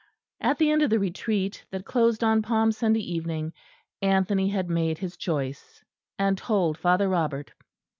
At the end of the Retreat that closed on Palm Sunday evening, Anthony had made his choice, and told Father Robert.